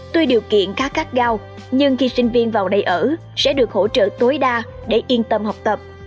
tuy điều kiện khá khát gao nhưng khi sinh viên vào đây ở sẽ được hỗ trợ tối đa để yên tâm học tập